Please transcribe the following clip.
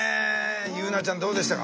祐奈ちゃんどうでしたか？